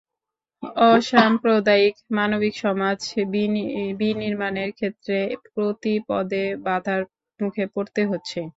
অসাম্প্রদায়িক, মানবিক সমাজ বিনির্মাণের ক্ষেত্রে প্রতি পদে বাধার মুখে পড়তে হচ্ছে।